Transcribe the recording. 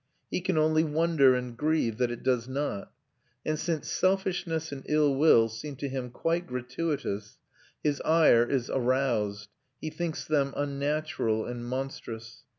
He can only wonder and grieve that it does not; and since selfishness and ill will seem to him quite gratuitous, his ire is aroused; he thinks them unnatural and monstrous.